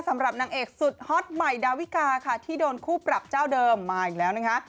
สำหรับนางเอกสุดฮอตใหม่ดาวิกาค่ะที่โดนคู่ปรับเจ้าเดิมมาอีกแล้วนะคะ